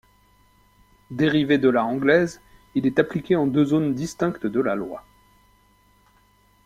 Dérivé de la anglaise, il est appliqué en deux zones distinctes de la loi.